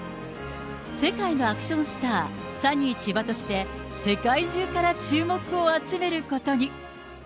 世界のアクションスター、サニー千葉として世界中から注目を集めることに。